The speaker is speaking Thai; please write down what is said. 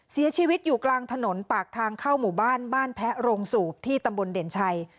เสียชีวิตอยู่กลางถนนปากทางเข้าหมู่บ้านบ้านแพะโรงสูบที่ตำบลเด่นชัย